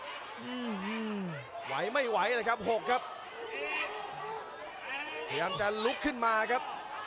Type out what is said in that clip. อืมไหวไม่ไหวเลยครับหกครับพยายามจะลุกขึ้นมาครับ